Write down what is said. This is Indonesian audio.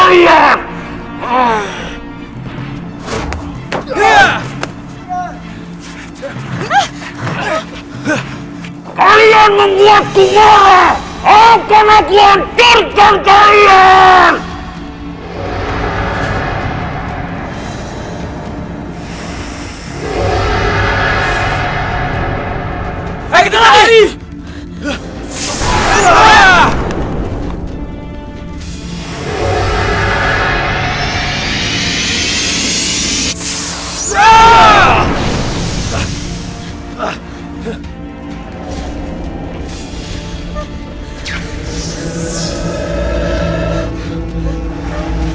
siapa yang mengaktifkan portal itu